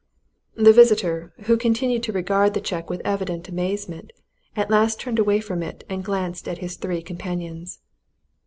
The visitor, who continued to regard the cheque with evident amazement, at last turned away from it and glanced at his three companions.